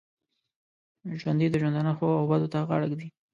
ژوندي د ژوندانه ښو او بدو ته غاړه ږدي